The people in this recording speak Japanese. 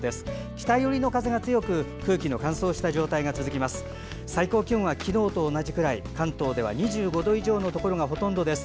北寄りの風が強く空気の乾燥した状態が続きます。